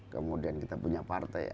kemudian kita punya partai